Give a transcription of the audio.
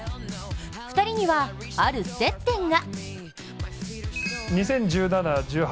２人には、ある接点が。